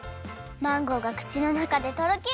マンゴーがくちのなかでとろける！